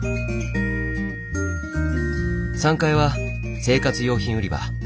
３階は生活用品売り場。